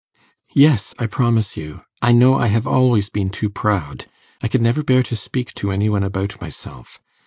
'Yes, I promise you. I know I have always been too proud; I could never bear to speak to any one about myself.